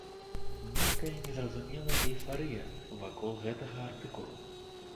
Нейкая незразумелая эйфарыя вакол гэтага артыкула.